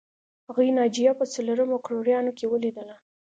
هغې ناجیه په څلورم مکروریانو کې ولیدله